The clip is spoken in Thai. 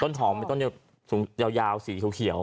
ต้นหอมมีต้นยาวสีเขียว